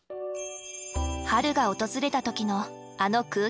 春が訪れた時のあの空気感。